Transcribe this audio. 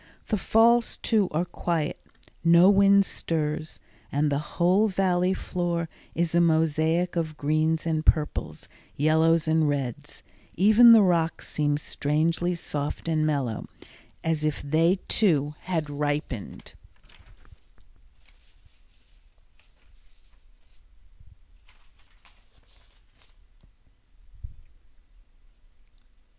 The falls, too, are quiet; no wind stirs, and the whole Valley floor is a mosaic of greens and purples, yellows and reds. Even the rocks seem strangely soft and mellow, as if they, too, had ripened.